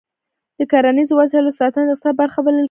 د کرنیزو وسایلو ساتنه د اقتصاد برخه بلل کېږي.